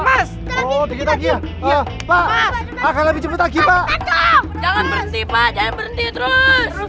mas oh kita kira pak akan lebih cepet lagi pak jangan berhenti pak jangan berhenti terus